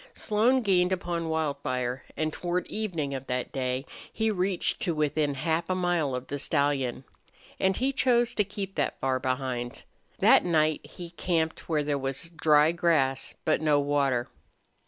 Slone gained upon Wildfire, and toward evening of that day he reached to within half a mile of the stallion. And he chose to keep that far behind. That night he camped where there was dry grass, but no water.